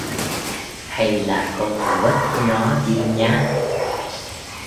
Hay là con vất nó đi nhá